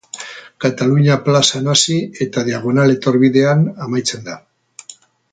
Katalunia plazan hasi eta Diagonal etorbidean amaitzen da.